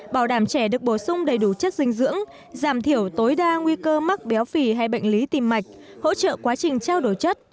bảo đảm trẻ được bổ sung đầy đủ chất dinh dưỡng giảm thiểu tối đa nguy cơ mắc béo phì hay bệnh lý tim mạch hỗ trợ quá trình trao đổi chất